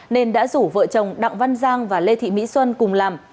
nên đã rủ vợ chồng đặng văn giang và lê thị mỹ xuân cùng làm